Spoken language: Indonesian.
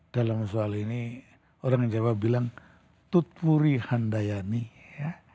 dalam soal ini orang jawa bilang tutfuri handayani ya